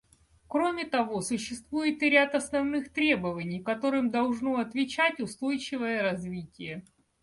Кроме того, существует и ряд основных требований, которым должно отвечать устойчивое развитие.